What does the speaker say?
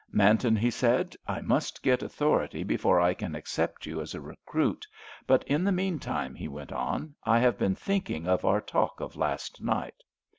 "Manton," he said, "I must get authority before I can accept you as a recruit, but in the meantime," he went on, "I have been thinking of our talk of last night.